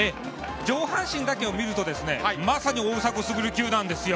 上半身だけを見るとまさに大迫傑級なんです。